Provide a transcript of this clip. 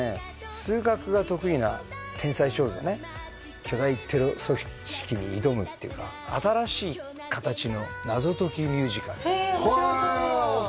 数学が得意な天才少女がね巨大テロ組織に挑むっていうか新しいかたちの謎解きミュージカルへえ面白そうああそうなんだ